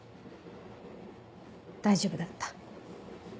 大丈夫だった？